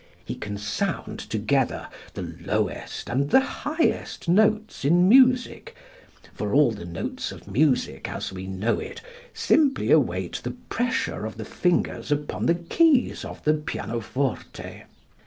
He can sound together the lowest and the highest notes in music, for all the notes of music as we know it simply await the pressure of the fingers upon the keys of the pianoforte.